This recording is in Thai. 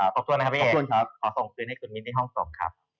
ขอบคุณนะครับพี่ขอส่งคืนให้คุณมิ้นท์ในห้องส่งครับ